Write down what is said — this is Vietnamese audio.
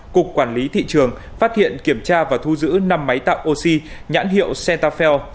cục quản lý thị trường phát hiện kiểm tra và thu giữ năm máy tạo oxy nhãn hiệu cettafel